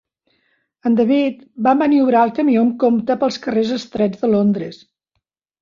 En David va maniobrar el camió amb compte pels carrers estrets de Londres.